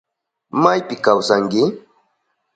¿Maypita kawsanki?